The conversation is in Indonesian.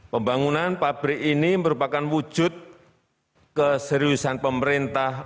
pembangunan pabrik ini merupakan wujud keseriusan pemerintah